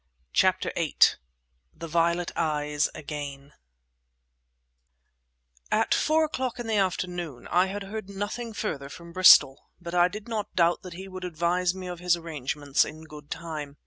CHAPTER VIII THE VIOLET EYES AGAIN At four o'clock in the afternoon I had heard nothing further from Bristol, but I did not doubt that he would advise me of his arrangements in good time.